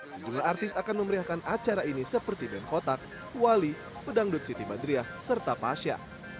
sejumlah artis akan memeriahkan acara ini seperti band kotak wali pedangdut siti badriah serta pasha